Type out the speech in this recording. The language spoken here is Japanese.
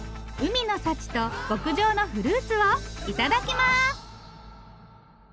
海の幸と極上のフルーツをいただきます！